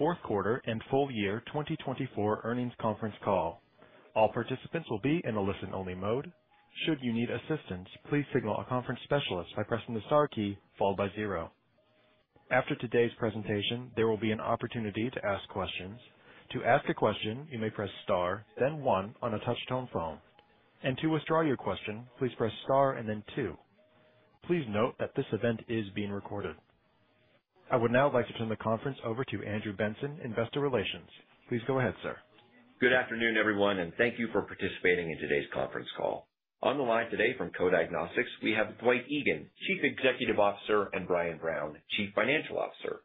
Q4 and full year 2024 earnings conference call. All participants will be in a listen-only mode. Should you need assistance, please signal a conference specialist by pressing the star key followed by zero. After today's presentation, there will be an opportunity to ask questions. To ask a question, you may press star, then one on a touch-tone phone. To withdraw your question, please press star and then two. Please note that this event is being recorded. I would now like to turn the conference over to Andrew Benson, Investor Relations. Please go ahead, sir. Good afternoon, everyone, and thank you for participating in today's conference call. On the line today from Co-Diagnostics, we have Dwight Egan, Chief Executive Officer, and Brian Brown, Chief Financial Officer.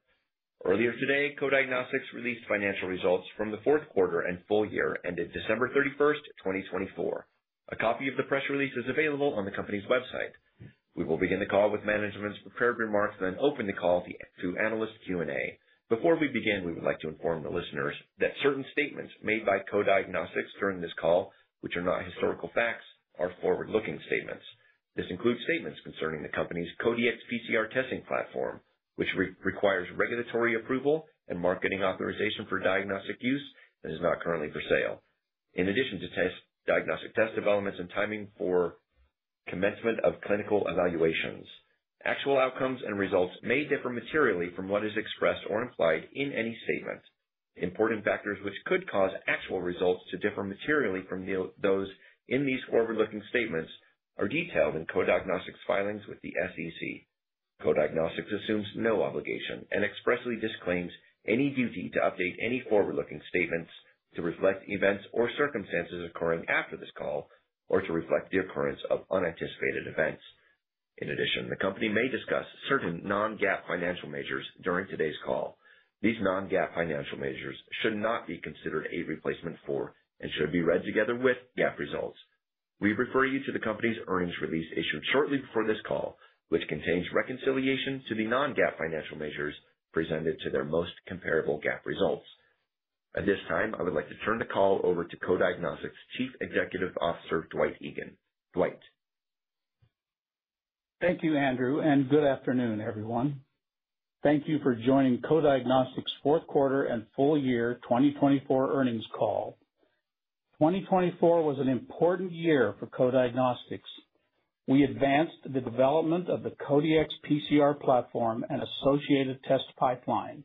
Earlier today, Co-Diagnostics released financial results from the Q4 and full year ended 31 December 2024. A copy of the press release is available on the company's website. We will begin the call with management's prepared remarks, then open the call to analysts Q&A. Before we begin, we would like to inform the listeners that certain statements made by Co-Diagnostics during this call, which are not historical facts, are forward-looking statements. This includes statements concerning the company's Co-Dx PCR testing platform, which requires regulatory approval and marketing authorization for diagnostic use and is not currently for sale. In addition to diagnostic test developments and timing for commencement of clinical evaluations, actual outcomes and results may differ materially from what is expressed or implied in any statement. Important factors which could cause actual results to differ materially from those in these forward-looking statements are detailed in Co-Diagnostics' filings with the SEC. Co-Diagnostics assumes no obligation and expressly disclaims any duty to update any forward-looking statements to reflect events or circumstances occurring after this call or to reflect the occurrence of unanticipated events. In addition, the company may discuss certain non-GAAP financial measures during today's call. These non-GAAP financial measures should not be considered a replacement for and should be read together with GAAP results. We refer you to the company's earnings release issued shortly before this call, which contains reconciliation to the non-GAAP financial measures presented to their most comparable GAAP results. At this time, I would like to turn the call over to Co-Diagnostics' Chief Executive Officer, Dwight Egan. Dwight. Thank you, Andrew, and good afternoon, everyone. Thank you for joining Co-Diagnostics' Q4 and full year 2024 earnings call. 2024 was an important year for Co-Diagnostics. We advanced the development of the Co-Dx PCR platform and associated test pipeline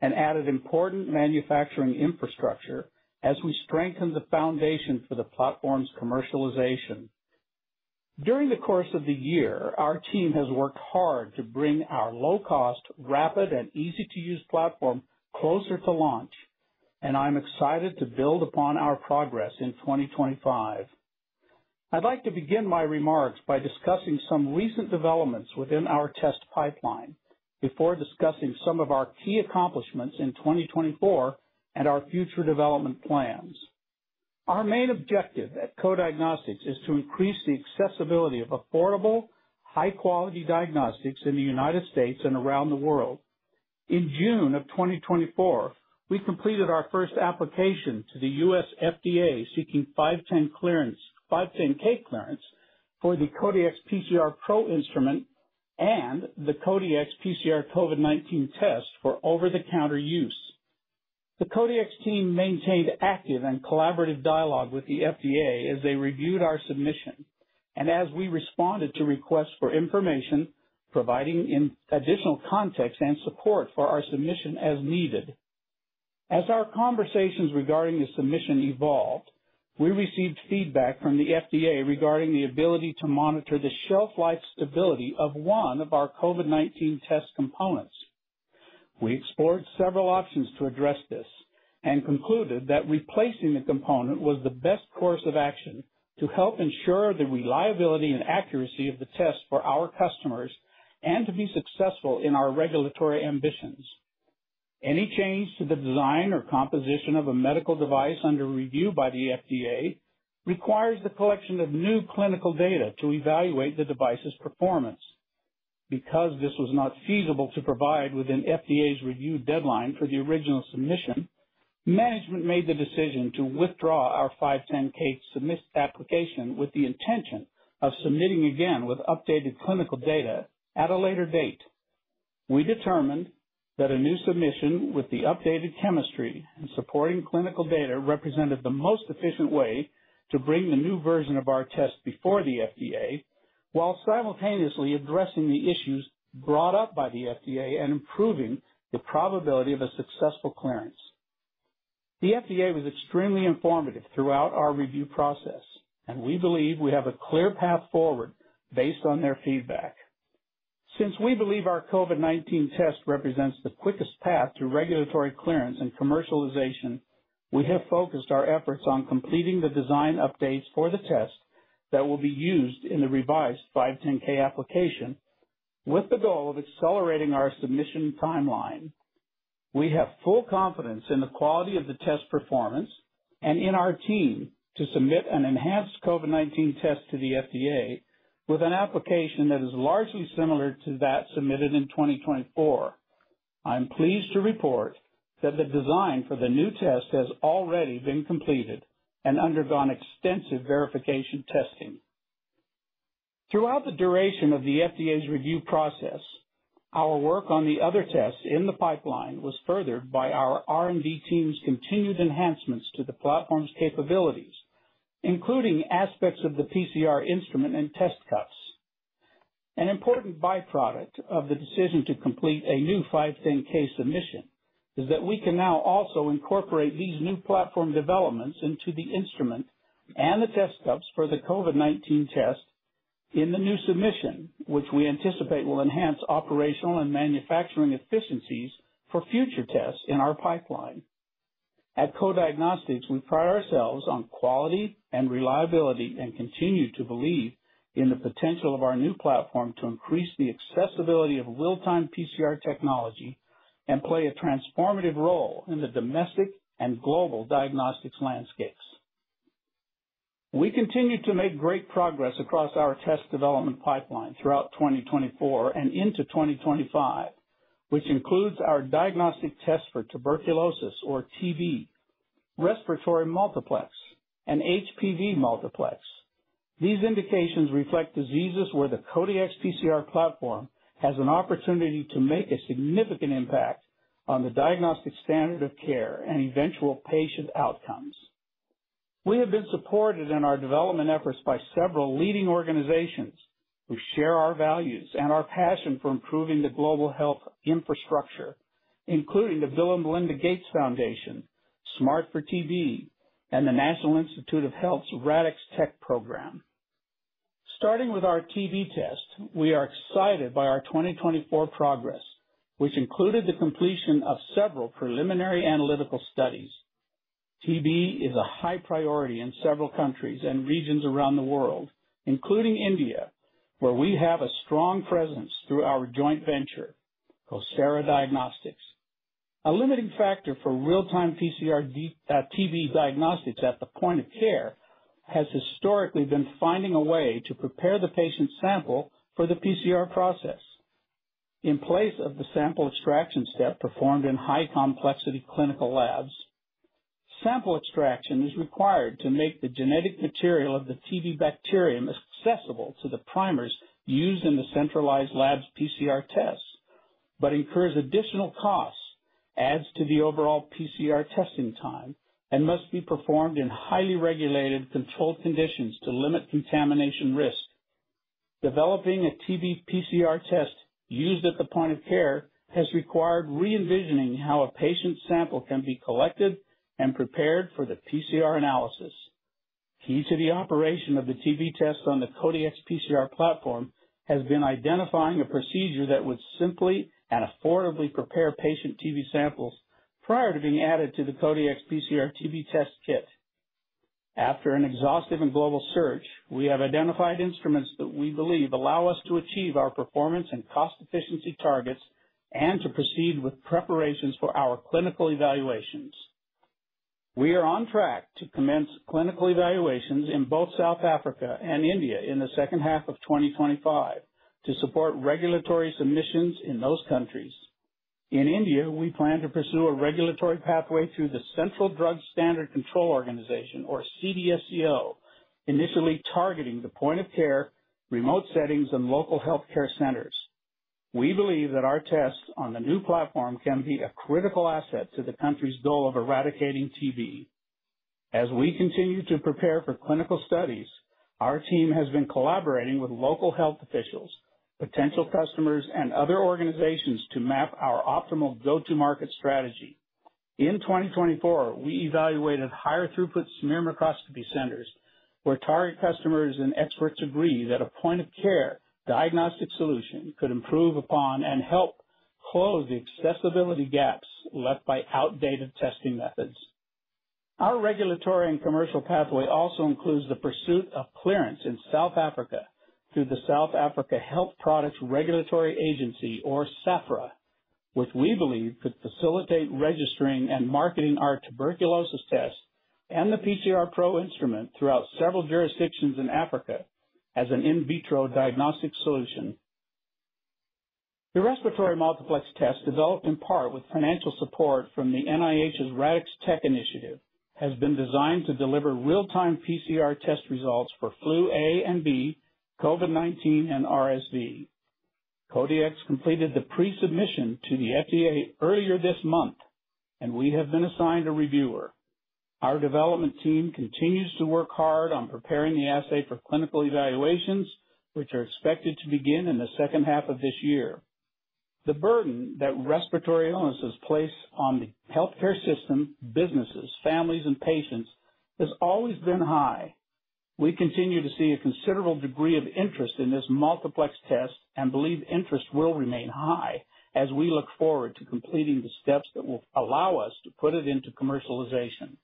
and added important manufacturing infrastructure as we strengthened the foundation for the platform's commercialization. During the course of the year, our team has worked hard to bring our low-cost, rapid, and easy-to-use platform closer to launch, and I'm excited to build upon our progress in 2025. I'd like to begin my remarks by discussing some recent developments within our test pipeline before discussing some of our key accomplishments in 2024 and our future development plans. Our main objective at Co-Diagnostics is to increase the accessibility of affordable, high-quality diagnostics in the United States and around the world. In June of 2024, we completed our first application to the U.S. FDA seeking 510(k) clearance for the Co-Dx PCR Pro instrument and the Co-Dx PCR COVID-19 test for over-the-counter use. The Co-Dx team maintained active and collaborative dialogue with the FDA as they reviewed our submission and as we responded to requests for information, providing additional context and support for our submission as needed. As our conversations regarding the submission evolved, we received feedback from the FDA regarding the ability to monitor the shelf-life stability of one of our COVID-19 test components. We explored several options to address this and concluded that replacing the component was the best course of action to help ensure the reliability and accuracy of the test for our customers and to be successful in our regulatory ambitions. Any change to the design or composition of a medical device under review by the FDA requires the collection of new clinical data to evaluate the device's performance. Because this was not feasible to provide within FDA's review deadline for the original submission, management made the decision to withdraw our 510(k) submission application with the intention of submitting again with updated clinical data at a later date. We determined that a new submission with the updated chemistry and supporting clinical data represented the most efficient way to bring the new version of our test before the FDA while simultaneously addressing the issues brought up by the FDA and improving the probability of a successful clearance. The FDA was extremely informative throughout our review process, and we believe we have a clear path forward based on their feedback. Since we believe our COVID-19 test represents the quickest path to regulatory clearance and commercialization, we have focused our efforts on completing the design updates for the test that will be used in the revised 510(k) application with the goal of accelerating our submission timeline. We have full confidence in the quality of the test performance and in our team to submit an enhanced COVID-19 test to the FDA with an application that is largely similar to that submitted in 2024. I'm pleased to report that the design for the new test has already been completed and undergone extensive verification testing. Throughout the duration of the FDA's review process, our work on the other tests in the pipeline was furthered by our R&D team's continued enhancements to the platform's capabilities, including aspects of the PCR instrument and test cups. An important byproduct of the decision to complete a new 510(k) submission is that we can now also incorporate these new platform developments into the instrument and the test cups for the COVID-19 test in the new submission, which we anticipate will enhance operational and manufacturing efficiencies for future tests in our pipeline. At Co-Diagnostics, we pride ourselves on quality and reliability and continue to believe in the potential of our new platform to increase the accessibility of real-time PCR technology and play a transformative role in the domestic and global diagnostics landscapes. We continue to make great progress across our test development pipeline throughout 2024 and into 2025, which includes our diagnostic test for tuberculosis or TB, respiratory multiplex, and HPV multiplex. These indications reflect diseases where the Co-Dx PCR platform has an opportunity to make a significant impact on the diagnostic standard of care and eventual patient outcomes. We have been supported in our development efforts by several leading organizations who share our values and our passion for improving the global health infrastructure, including the Bill & Melinda Gates Foundation, SMART4TB, and the National Institutes of Health's RADx Tech program. Starting with our TB test, we are excited by our 2024 progress, which included the completion of several preliminary analytical studies. TB is a high priority in several countries and regions around the world, including India, where we have a strong presence through our joint venture, CoSara Diagnostics. A limiting factor for real-time PCR TB diagnostics at the point of care has historically been finding a way to prepare the patient sample for the PCR process. In place of the sample extraction step performed in high-complexity clinical labs, sample extraction is required to make the genetic material of the TB bacterium accessible to the primers used in the centralized lab's PCR tests, but incurs additional costs, adds to the overall PCR testing time, and must be performed in highly regulated controlled conditions to limit contamination risk. Developing a TB PCR test used at the point of care has required re-envisioning how a patient sample can be collected and prepared for the PCR analysis. Key to the operation of the TB test on the Co-Dx PCR platform has been identifying a procedure that would simply and affordably prepare patient TB samples prior to being added to the Co-Dx PCR TB test kit. After an exhaustive and global search, we have identified instruments that we believe allow us to achieve our performance and cost-efficiency targets and to proceed with preparations for our clinical evaluations. We are on track to commence clinical evaluations in both South Africa and India in the second half of 2025 to support regulatory submissions in those countries. In India, we plan to pursue a regulatory pathway through the Central Drugs Standard Control Organization or CDSCO, initially targeting the point of care, remote settings, and local healthcare centers. We believe that our tests on the new platform can be a critical asset to the country's goal of eradicating TB. As we continue to prepare for clinical studies, our team has been collaborating with local health officials, potential customers, and other organizations to map our optimal go-to-market strategy. In 2024, we evaluated higher-throughput smear microscopy centers where target customers and experts agree that a point-of-care diagnostic solution could improve upon and help close the accessibility gaps left by outdated testing methods. Our regulatory and commercial pathway also includes the pursuit of clearance in South Africa through the South African Health Products Regulatory Authority, or SAHPRA, which we believe could facilitate registering and marketing our tuberculosis test and the PCR Pro instrument throughout several jurisdictions in Africa as an in vitro diagnostic solution. The respiratory multiplex test, developed in part with financial support from the National Institutes of Health's RADx Tech initiative, has been designed to deliver real-time PCR test results for flu A and B, COVID-19, and RSV. Co-Dx completed the pre-submission to the FDA earlier this month, and we have been assigned a reviewer. Our development team continues to work hard on preparing the assay for clinical evaluations, which are expected to begin in the second half of this year. The burden that respiratory illnesses place on the healthcare system, businesses, families, and patients has always been high. We continue to see a considerable degree of interest in this multiplex test and believe interest will remain high as we look forward to completing the steps that will allow us to put it into commercialization.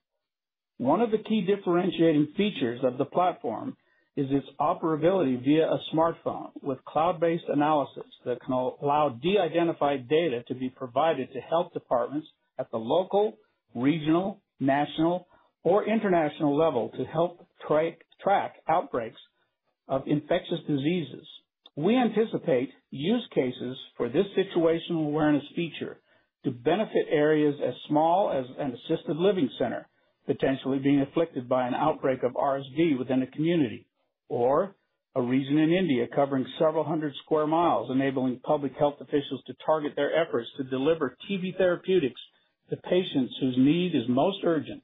One of the key differentiating features of the platform is its operability via a smartphone with cloud-based analysis that can allow de-identified data to be provided to health departments at the local, regional, national, or international level to help track outbreaks of infectious diseases. We anticipate use cases for this situational awareness feature to benefit areas as small as an assisted living center potentially being afflicted by an outbreak of RSV within a community or a region in India covering several hundred square miles, enabling public health officials to target their efforts to deliver TB therapeutics to patients whose need is most urgent,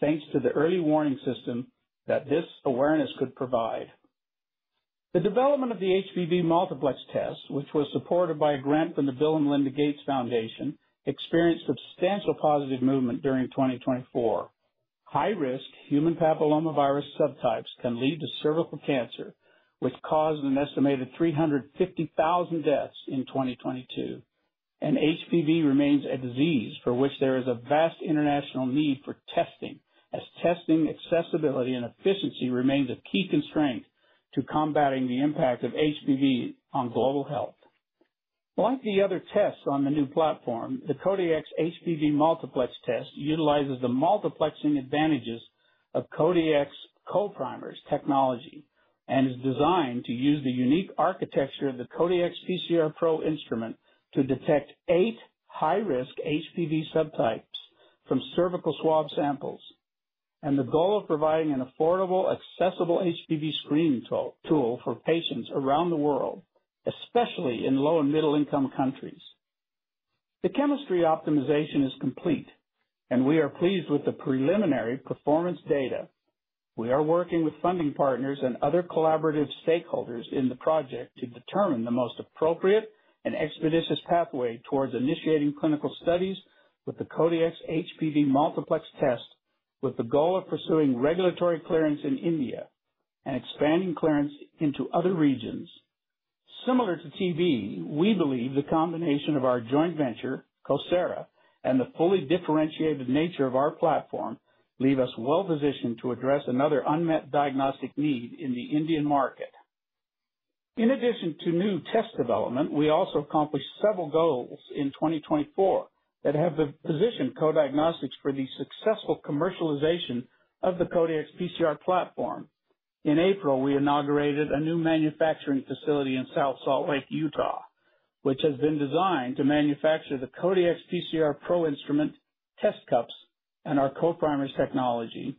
thanks to the early warning system that this awareness could provide. The development of the HPV multiplex test, which was supported by a grant from the Bill & Melinda Gates Foundation, experienced substantial positive movement during 2024. High-risk human papillomavirus subtypes can lead to cervical cancer, which caused an estimated 350,000 deaths in 2022. HPV remains a disease for which there is a vast international need for testing, as testing accessibility and efficiency remains a key constraint to combating the impact of HPV on global health. Like the other tests on the new platform, the Co-Dx HPV multiplex test utilizes the multiplexing advantages of Co-Dx Co-Primers technology and is designed to use the unique architecture of the Co-Dx PCR Pro instrument to detect eight high-risk HPV subtypes from cervical swab samples. And the goal of providing an affordable, accessible HPV screening tool for patients around the world, especially in low and middle-income countries. The chemistry optimization is complete, and we are pleased with the preliminary performance data. We are working with funding partners and other collaborative stakeholders in the project to determine the most appropriate and expeditious pathway towards initiating clinical studies with the Co-Dx HPV multiplex test, with the goal of pursuing regulatory clearance in India and expanding clearance into other regions. Similar to TB, we believe the combination of our joint venture, CoSara, and the fully differentiated nature of our platform leave us well-positioned to address another unmet diagnostic need in the Indian market. In addition to new test development, we also accomplished several goals in 2024 that have positioned Co-Diagnostics for the successful commercialization of the Co-Dx PCR platform. In April, we inaugurated a new manufacturing facility in South Salt Lake, Utah, which has been designed to manufacture the Co-Dx PCR Pro instrument test cups and our Co-Primers technology.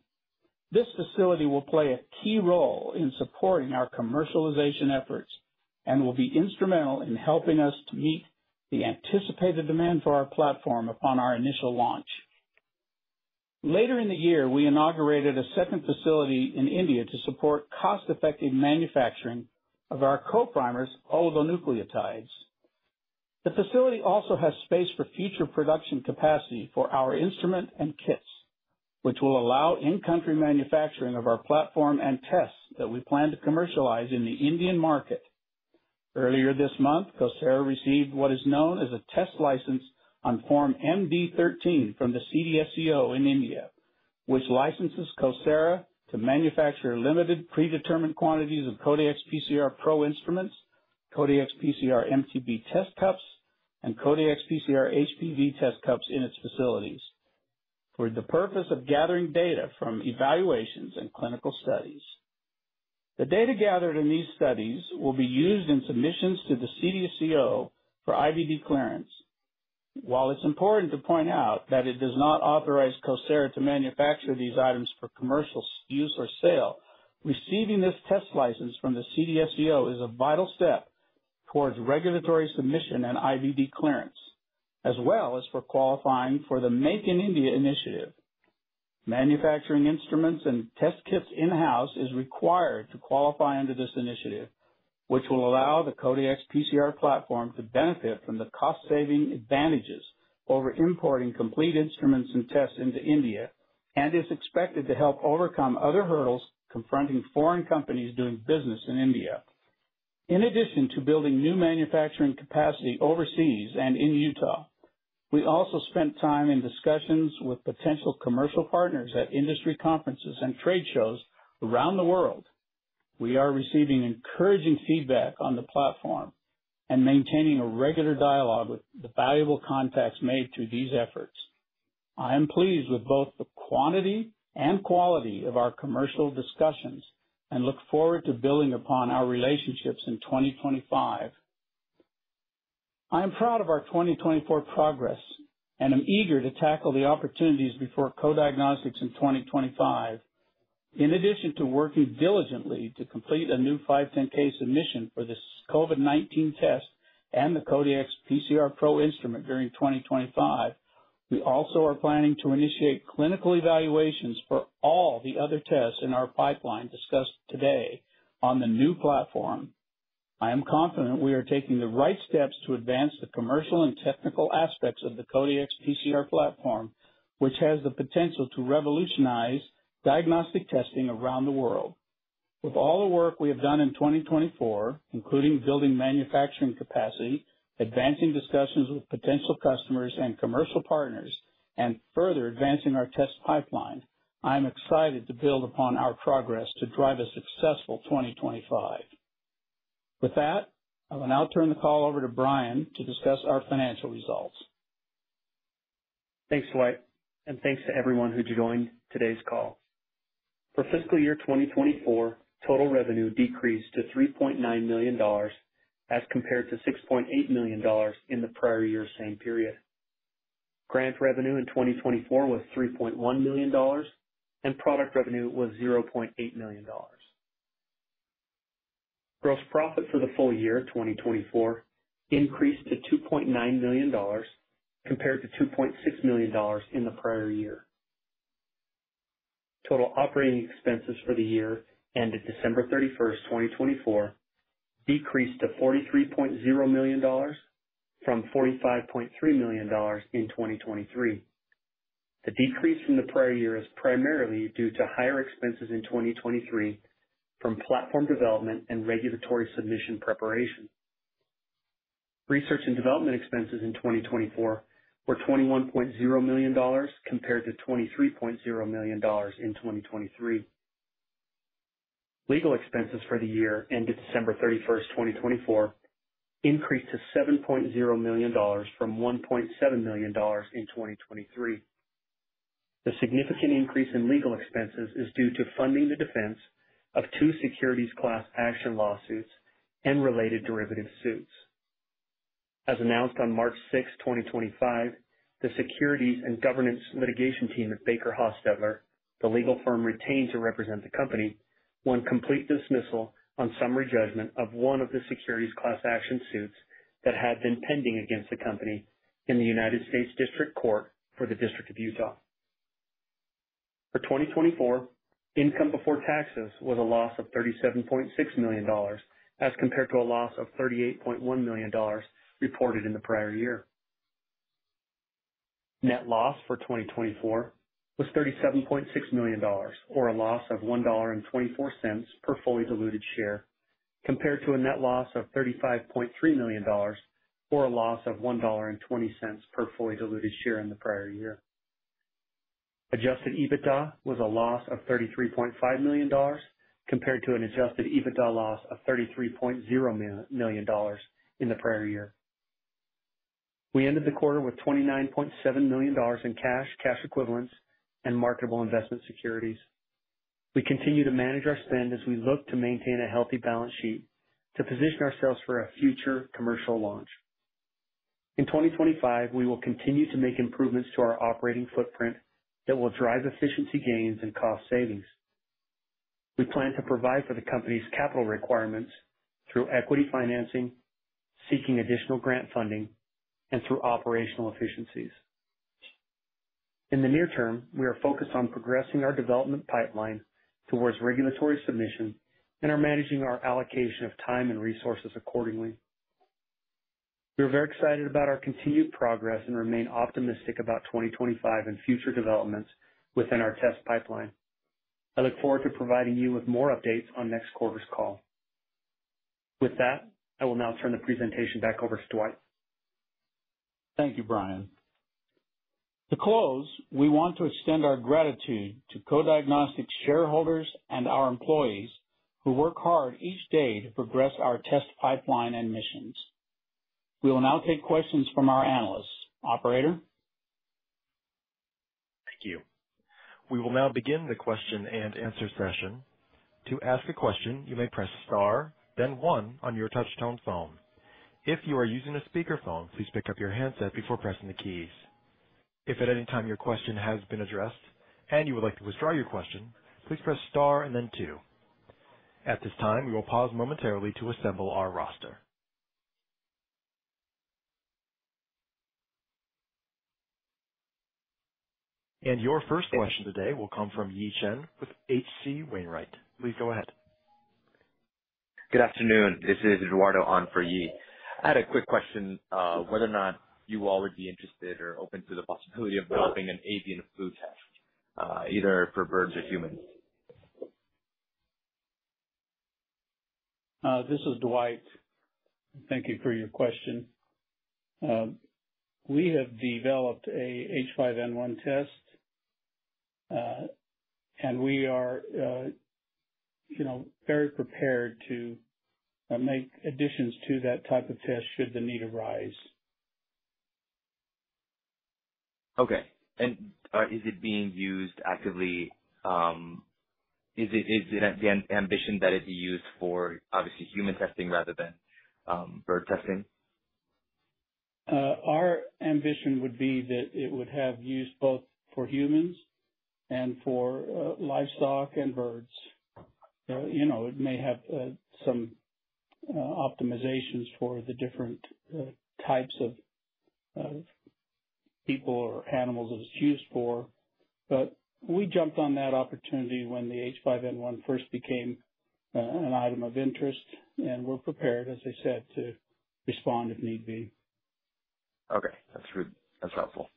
This facility will play a key role in supporting our commercialization efforts and will be instrumental in helping us to meet the anticipated demand for our platform upon our initial launch. Later in the year, we inaugurated a second facility in India to support cost-effective manufacturing of our Co-Primers, oligonucleotides. The facility also has space for future production capacity for our instrument and kits, which will allow in-country manufacturing of our platform and tests that we plan to commercialize in the Indian market. Earlier this month, CoSara received what is known as a test license on Form MD-13 from the CDSCO in India, which licenses CoSara to manufacture limited predetermined quantities of Co-Dx PCR Pro instruments, Co-Dx PCR MTB test cups, and Co-Dx PCR HPV test cups in its facilities for the purpose of gathering data from evaluations and clinical studies. The data gathered in these studies will be used in submissions to the CDSCO for IVD clearance. While it's important to point out that it does not authorize CoSara to manufacture these items for commercial use or sale, receiving this test license from the CDSCO is a vital step towards regulatory submission and IVD clearance, as well as for qualifying for the Make in India initiative. Manufacturing instruments and test kits in-house is required to qualify under this initiative, which will allow the Co-Dx PCR platform to benefit from the cost-saving advantages over importing complete instruments and tests into India and is expected to help overcome other hurdles confronting foreign companies doing business in India. In addition to building new manufacturing capacity overseas and in Utah, we also spent time in discussions with potential commercial partners at industry conferences and trade shows around the world. We are receiving encouraging feedback on the platform and maintaining a regular dialogue with the valuable contacts made through these efforts. I am pleased with both the quantity and quality of our commercial discussions and look forward to building upon our relationships in 2025. I am proud of our 2024 progress and am eager to tackle the opportunities before Co-Diagnostics in 2025. In addition to working diligently to complete a new 510(k) submission for this COVID-19 test and the Co-Dx PCR Pro instrument during 2025, we also are planning to initiate clinical evaluations for all the other tests in our pipeline discussed today on the new platform. I am confident we are taking the right steps to advance the commercial and technical aspects of the Co-Dx PCR platform, which has the potential to revolutionize diagnostic testing around the world. With all the work we have done in 2024, including building manufacturing capacity, advancing discussions with potential customers and commercial partners, and further advancing our test pipeline, I am excited to build upon our progress to drive a successful 2025. With that, I will now turn the call over to Brian to discuss our financial results. Thanks, Dwight, and thanks to everyone who joined today's call. For fiscal year 2024, total revenue decreased to $3.9 million as compared to $6.8 million in the prior year's same period. Grant revenue in 2024 was $3.1 million, and product revenue was $0.8 million. Gross profit for the full year 2024 increased to $2.9 million compared to $2.6 million in the prior year. Total operating expenses for the year ended 31 December 2024, decreased to $43.0 million from $45.3 million in 2023. The decrease from the prior year is primarily due to higher expenses in 2023 from platform development and regulatory submission preparation. Research and development expenses in 2024 were $21 million compared to $23 million in 2023. Legal expenses for the year ended 31 December 2024, increased to $7 million from $1.7 million in 2023. The significant increase in legal expenses is due to funding the defense of two securities class action lawsuits and related derivative suits. As announced on 6 March 2025, the securities and governance litigation team at BakerHostetler, the legal firm retained to represent the company, won complete dismissal on summary judgment of one of the securities class action suits that had been pending against the company in the United States District Court for the District of Utah. For 2024, income before taxes was a loss of $37.6 million as compared to a loss of $38.1 million reported in the prior year. Net loss for 2024 was $37.6 million, or a loss of $1.24 per fully diluted share, compared to a net loss of $35.3 million, or a loss of $1.20 per fully diluted share in the prior year. Adjusted EBITDA was a loss of $33.5 million compared to an adjusted EBITDA loss of $33 million in the prior year. We ended the quarter with $29.7 million in cash, cash equivalents, and marketable investment securities. We continue to manage our spend as we look to maintain a healthy balance sheet to position ourselves for a future commercial launch. In 2025, we will continue to make improvements to our operating footprint that will drive efficiency gains and cost savings. We plan to provide for the company's capital requirements through equity financing, seeking additional grant funding, and through operational efficiencies. In the near term, we are focused on progressing our development pipeline towards regulatory submission and are managing our allocation of time and resources accordingly. We are very excited about our continued progress and remain optimistic about 2025 and future developments within our test pipeline. I look forward to providing you with more updates on next quarter's call. With that, I will now turn the presentation back over to Dwight. Thank you, Brian. To close, we want to extend our gratitude to Co-Diagnostics shareholders and our employees who work hard each day to progress our test pipeline and missions. We will now take questions from our analysts. Operator? Thank you. We will now begin the question-and-answer session. To ask a question, you may press star, then one on your touch-tone phone. If you are using a speakerphone, please pick up your handset before pressing the keys. If at any time your question has been addressed and you would like to withdraw your question, please press star and then two. At this time, we will pause momentarily to assemble our roster. Your first question today will come from Yi Chen with H.C. Wainwright. Please go ahead. Good afternoon. This is Eduardo Han for Yi. I had a quick question whether or not you all would be interested or open to the possibility of developing an avian flu test, either for birds or humans. This is Dwight. Thank you for your question. We have developed an H5N1 test, and we are very prepared to make additions to that type of test should the need arise. Okay. Is it being used actively? Is it the ambition that it be used for, obviously, human testing rather than bird testing? Our ambition would be that it would have use both for humans and for livestock and birds. It may have some optimizations for the different types of people or animals that it's used for. We jumped on that opportunity when the H5N1 first became an item of interest, and we're prepared, as I said, to respond if need be. Okay. That's good. That's helpful.